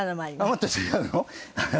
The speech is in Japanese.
もっと違うの？